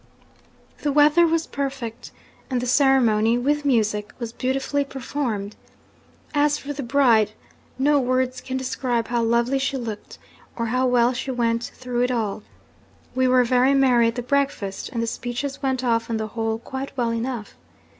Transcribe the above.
'The weather was perfect, and the ceremony (with music) was beautifully performed. As for the bride, no words can describe how lovely she looked, or how well she went through it all. We were very merry at the breakfast, and the speeches went off on the whole quite well enough.